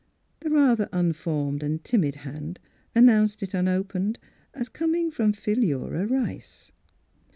The rather unformed and timid hand announced it unopened as coming from Philura Rice.